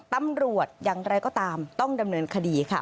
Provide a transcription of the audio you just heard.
ตำรวจอย่างไรก็ตามต้องดำเนินคดีค่ะ